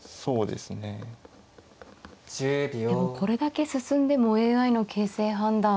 でもこれだけ進んでもＡＩの形勢判断は互角ですね。